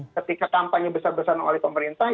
ketika kampanye besar besaran oleh pemerintah